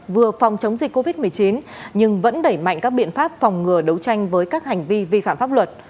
vừa phòng chống dịch covid một mươi chín nhưng vẫn đẩy mạnh các biện pháp phòng ngừa đấu tranh với các hành vi vi phạm pháp luật